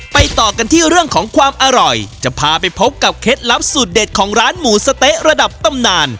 ต่อกันที่เรื่องของความอร่อยจะพาไปพบกับเคล็ดลับสูตรเด็ดของร้านหมูสะเต๊ะระดับตำนาน